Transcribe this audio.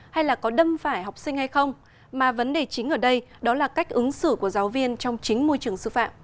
hay là có đâm phải học sinh hay không mà vấn đề chính ở đây đó là cách ứng xử của giáo viên trong chính môi trường sư phạm